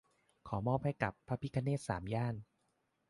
ขอมอบให้กับ "พระพิฆเนศสามย่าน"